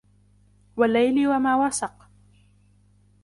وَاللَّيْلِ وَمَا وَسَقَ